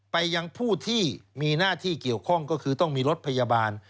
ไปยังผู้ที่มีหน้าที่เกี่ยวข้องก็คือต้องมีรถพยาบาล